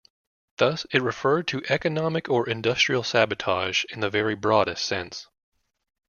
Thus, it referred to economic or industrial sabotage in the very broadest sense.